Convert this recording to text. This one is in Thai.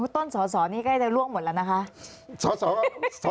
ต้นสอสอนี้ใกล้จะล่วงหมดแล้วนะคะ